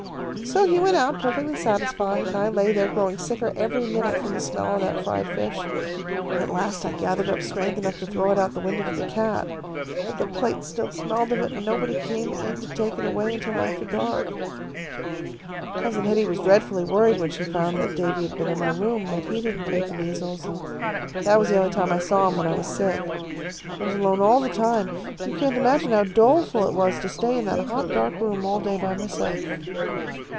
So he went out perfectly satisfied, and I lay there, growing sicker every minute from the smell of that fried fish. At last I gathered up strength enough to throw it out of the window to the cat, but the plate still smelled of it, and nobody came in to take it away until after dark. "Cousin Hetty was dreadfully worried when she found that Davy had been in my room, but he didn't take the measles, and that was the only time I saw him while I was sick. I was alone all the time. You can't imagine how doleful it was to stay in that hot dark room all day by myself."